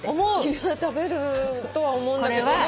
食べるとは思うんだけど。